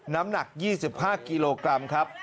น้ำหนัก๒๕กิโลกรัมครับ